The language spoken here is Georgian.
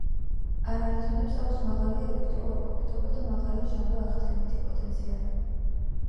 არალითონებს აქვს მაღალი ელექტროუარყოფითობა და მაღალი ჟანგვა-აღდგენითი პოტენციალი.